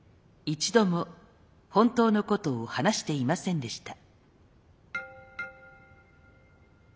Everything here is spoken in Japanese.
一度も本当のことを話していませんでした。